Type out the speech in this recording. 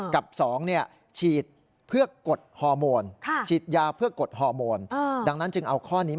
กับสองฉีดเพื่อกดฮอร์โมน